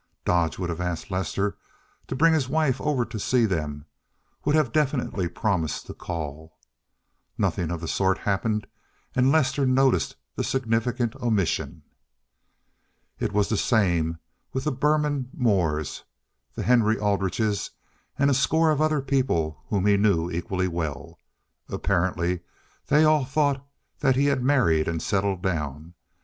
Dodge would have asked Lester to bring his wife over to see them, would have definitely promised to call. Nothing of the sort happened, and Lester noticed the significant omission. It was the same with the Burnham Moores, the Henry Aldriches, and a score of other people whom he knew equally well. Apparently they all thought that he had married and settled down.